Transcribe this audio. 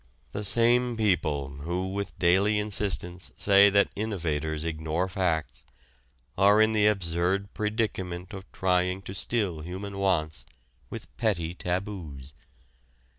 The same people who with daily insistence say that innovators ignore facts are in the absurd predicament of trying to still human wants with petty taboos.